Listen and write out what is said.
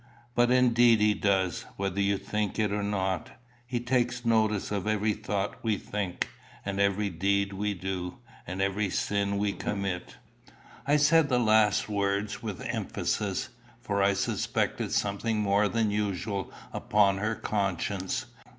"But indeed he does, whether you think it or not. He takes notice of every thought we think, and every deed we do, and every sin we commit." I said the last words with emphasis, for I suspected something more than usual upon her conscience.